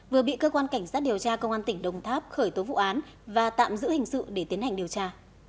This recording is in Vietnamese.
vừa bị cơ quan cảnh sát điều tra công an tỉnh đồng tháp khởi tố vụ án và tạm giữ hình sự để tiến hành điều tra